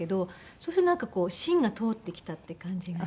そうするとこう芯が通ってきたっていう感じがして。